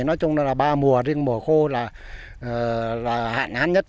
nói chung là ba mùa riêng mùa khô là hạn hán nhất